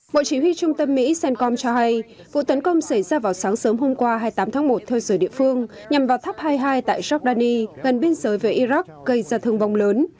bộ chỉ huy trung tâm mỹ cencom cho hay vụ tấn công xảy ra vào sáng sớm hôm qua hai mươi tám tháng một theo giờ địa phương nhằm vào tháp hai mươi hai tại giordani gần biên giới với iraq gây ra thương vong lớn